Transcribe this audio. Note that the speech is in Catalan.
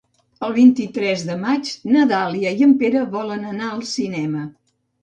El vint-i-tres de maig na Dàlia i en Pere volen anar al cinema.